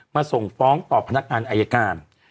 ส่งฟ้องต่อพนักงานอายการ